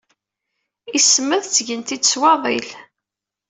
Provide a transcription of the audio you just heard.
Ismed ttgen-t-id s waḍil.